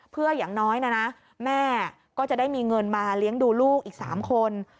เพื่ออย่างน้อยนะนะแม่ก็จะได้มีเงินมาเลี้ยงดูลูกอีก๓คน